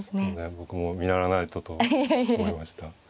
僕も見習わないとと思いました。